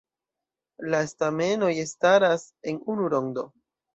La stamenoj staras en unu rondo.